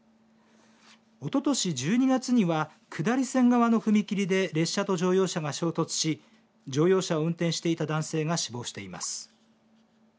おととし１２月には下り線側の踏切で列車と乗用車が衝突し乗用車を運転していた男性が死亡しています。